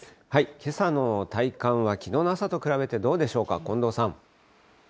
けさの体感は、きのうの朝と比べてどうでしょうか、近藤さん。